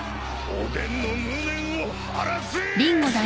おでんの無念を晴らせー！